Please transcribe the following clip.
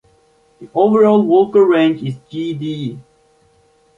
The overall vocal range is G-D.